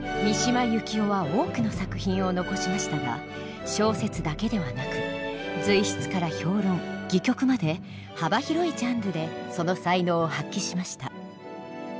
三島由紀夫は多くの作品を残しましたが小説だけではなく随筆から評論戯曲まで幅広いジャンルでその才能を発揮しました。